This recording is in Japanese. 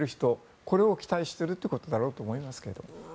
これを期待しているということだろうと思いますけど。